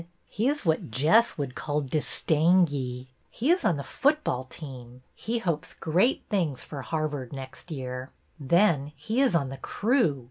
He is what Jess would call " distangy." He is on the football team. He hopes great things for Harvard next year. Then, he is on the crew.